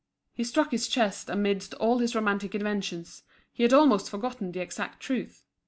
He struck his chest Amidst all his romantic inventions, he had almost forgotten the exact truth.